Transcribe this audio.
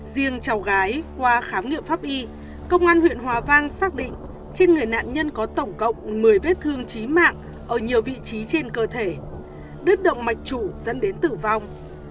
riêng cháu gái qua khám nghiệm pháp y công an huyện hòa vang xác định trên người nạn nhân có tổng cộng một mươi vết thương trí mạng ở nhiều vị trí trên cơ thể đứt động mạch chủ dẫn đến tử vong